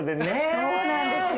そうなんですよ。